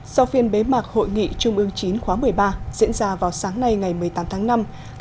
sau phiên bế mạc hội nghị trung ương chín khóa một mươi ba diễn ra vào sáng nay ngày một mươi tám tháng năm